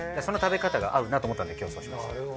その食べ方が合うなと思ったんで今日そうしました。